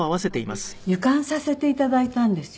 湯灌させて頂いたんですよ。